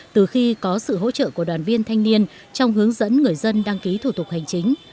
từ khi có sự hỗ trợ của đoàn viên thanh niên trong hướng dẫn người dân đăng ký thủ tục hành chính